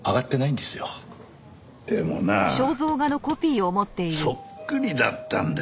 でもなそっくりだったんだよ。